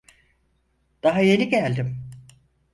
Daha yeni geldim.